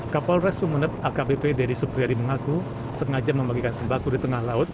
kapolres sumeneb akbp deddy supriyadi mengaku sengaja membagikan sembako di tengah laut